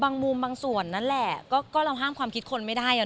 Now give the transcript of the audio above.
บางมุมบางส่วนนั่นแหละก็เราห้ามความคิดคนไม่ได้อ่ะ